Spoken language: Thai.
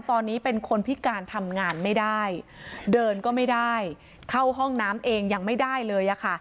ตอนนี้เป็นคนพิการทำงานไม่ได้เดินก็ไม่ได้เข้าห้องน้ำเองยังไม่ได้เลยอะค่ะ